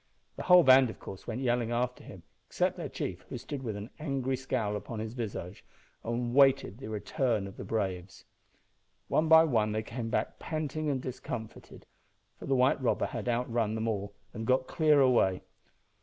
The whole band, of course, went yelling after him, except their chief, who stood with an angry scowl upon his visage, and awaited the return of his braves. One by one they came back panting and discomfited, for the white robber had outrun them all and got clear away.